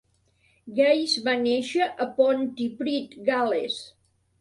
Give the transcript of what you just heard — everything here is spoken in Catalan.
Gaze va nàixer a Pontypridd, Gal·les.